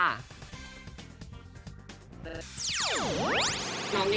น้องนี่อยู่ครบไหมคะ